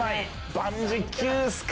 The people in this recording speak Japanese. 万事休すか？